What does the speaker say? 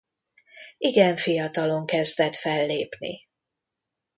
Igen fiatalon kezdett fellépni.